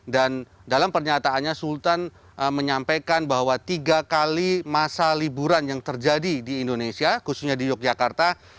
dan dalam pernyataannya sultan menyampaikan bahwa tiga kali masa liburan yang terjadi di indonesia khususnya di yogyakarta